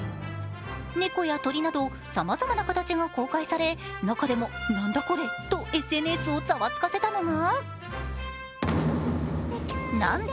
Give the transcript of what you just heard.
猫や鳥などさまざまな形が公開され中でも、なんだこれ？とＳＮＳをざわつかせたのがなど